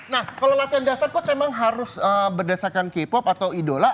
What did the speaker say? nah kalau latihan dasar coach memang harus berdasarkan k pop atau idola